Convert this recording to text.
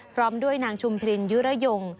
พร้อมด้วยนางชุมพรินยุระยง